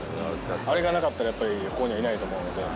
あれがなかったらやっぱりここにはいないと思うので。